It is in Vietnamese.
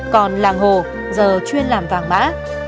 còn làng hồ giờ chuyên làm vàng mã